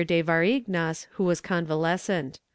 de Varignas, who was convalescent.